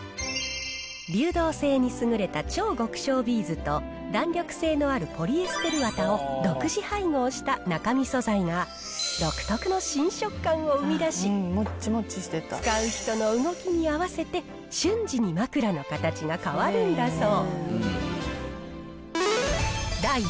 流動性に優れた超極小ビーズと弾力性のあるポリエステルわたを独自配合した中身素材が独特の新触感を生み出し使う人の動きに合わせて瞬時に枕の形が変わるんだそう。